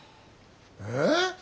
えっ？